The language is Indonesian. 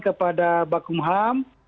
kepada bakum ham